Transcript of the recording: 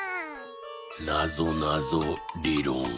「なぞなぞりろん」。